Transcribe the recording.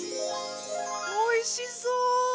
おいしそう！